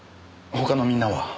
他のみんなは？